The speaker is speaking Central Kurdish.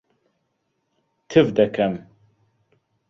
تف دەکەم.